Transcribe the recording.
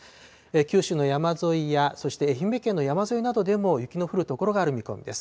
九州の山沿いや、そして愛媛県の山沿いなどでも、雪の降る所がある見込みです。